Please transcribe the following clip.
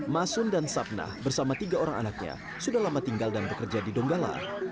masun dan sabna bersama tiga orang anaknya sudah lama tinggal dan bekerja di donggala